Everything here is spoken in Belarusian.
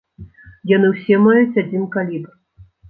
Яны ўсе маюць адзін калібр.